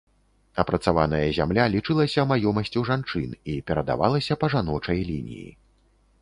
Апрацаваная зямля лічылася маёмасцю жанчын і перадавалася па жаночай лініі.